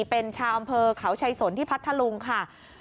เป็นชาวอำเภอเขาชัยสนที่พัทธลุงค่ะ